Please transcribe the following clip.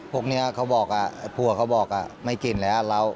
พวกเนี้ยเขาบอกอ่ะผัวเขาบอกอ่ะไม่กินเหล้า